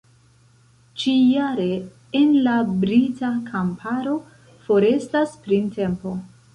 Ĉi-jare en la brita kamparo forestas printempo.